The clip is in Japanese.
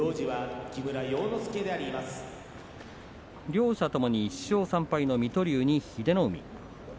両者とも、１勝３敗水戸龍と英乃海です。